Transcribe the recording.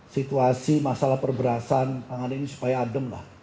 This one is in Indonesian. situasi masalah perberasan tangan ini supaya adem lah